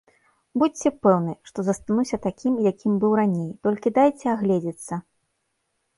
Будзьце пэўны, што застануся такім, якім быў раней, толькі дайце агледзецца.